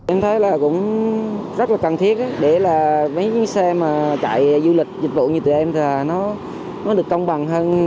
em thấy là cũng rất là cần thiết để là mấy cái xe mà chạy du lịch dịch vụ như tụi em thì nó được công bằng hơn